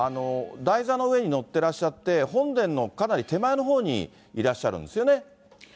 台座の上にのってらっしゃって、本殿のかなり手前のほうにいらっしゃるんですよね。